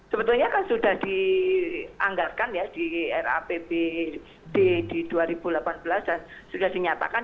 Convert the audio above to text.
sebetulnya kan sudah dianggarkan ya di rapbd di dua ribu delapan belas dan sudah dinyatakan